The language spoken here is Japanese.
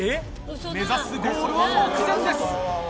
目指すゴールは目前です。